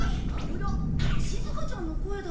しずかちゃんの声だ。